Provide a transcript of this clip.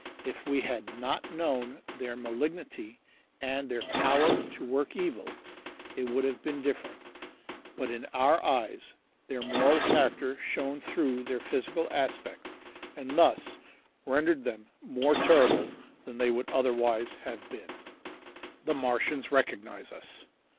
If we had not known their malignity and their power to work evil, it would have been different, but in our eyes their moral character shone through their physical aspect and thus rendered them more terrible than they would otherwise have been. The Martians Recognize Us.